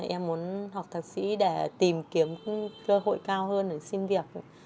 em muốn học thạc sĩ để tìm kiếm cơ hội cao hơn để xin việc